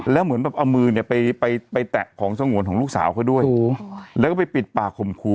แล้วเหมือนแบบเอามือเนี่ยไปไปแตะของสงวนของลูกสาวเขาด้วยแล้วก็ไปปิดปากข่มขู่